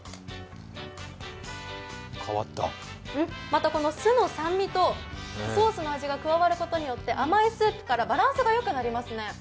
また酢の酸味とソースの味が加わることによって甘いスープからバランスが良くなりますね。